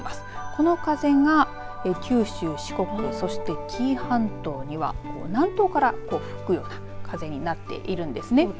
この風が九州、四国そして紀伊半島には南東から吹くような風になっているんです。